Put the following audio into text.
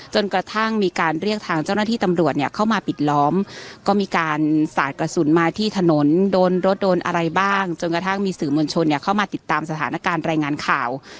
จนกระทั่งมีการเรียกทางเจ้าหน้าที่ตำรวจเนี่ยเข้ามาปิดล้อมก็มีการสาดกระสุนมาที่ถนนโดนรถโดนอะไรบ้างจนกระทั่งมีสื่อมวลชนเนี่ยเข้ามาติดตามสถานการณ์รายงานข่าว